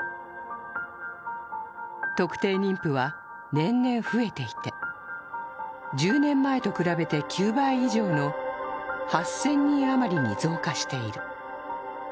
特定妊婦は年々増えていて、１０年前と比べて９倍以上の８０００人余りに増加している。